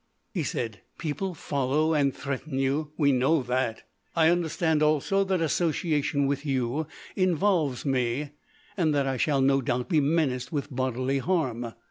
He said: "People follow and threaten you. We know that. I understand also that association with you involves me, and that I shall no doubt be menaced with bodily harm."